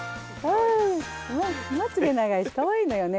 まつげ長いしかわいいのよね